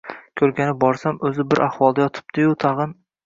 Ko`rgani borsam, o`zi bir ahvolda yotibdi-yu, tag`in